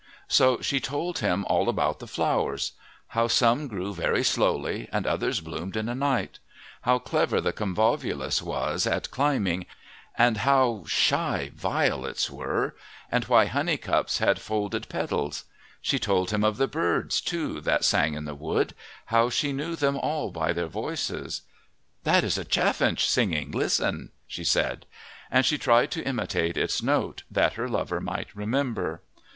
So she told him all about the flowers, how some grew very slowly and others bloomed in a night; how clever the convolvulus was at climbing, and how shy violets were, and why honeycups had folded petals. She told him of the birds, too, that sang in the wood, how she knew them all by their voices. "That is a chaffinch singing. Listen!" she said. And she tried to imitate its note, that her lover might remember.